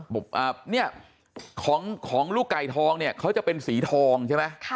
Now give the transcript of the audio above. บอกอ่าเนี้ยของของลูกไก่ทองเนี้ยเขาจะเป็นสีทองใช่ไหมค่ะ